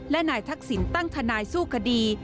และนายทักษิณตั้งทนายสู้คดี